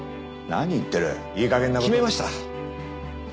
なに言ってるいいかげんな。決めました。